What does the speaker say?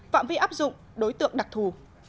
vạm vi áp dụng đối tượng đặc thù